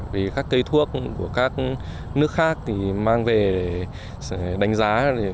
vì các cây thuốc của các nước khác thì mang về đánh giá